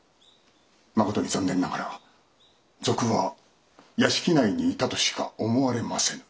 まことに残念ながら賊は屋敷内にいたとしか思われませぬ。